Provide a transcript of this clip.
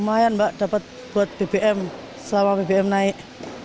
lumayan mbak dapat buat bbm selama bbm naik